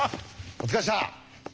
お疲れした！